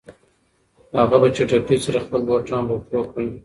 هغه په چټکۍ سره خپلې بوټان په پښو کړل.